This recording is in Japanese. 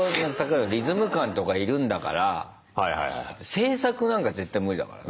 制作なんか絶対無理だからね。